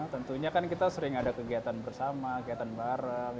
tentunya kan kita sering ada kegiatan bersama kegiatan bareng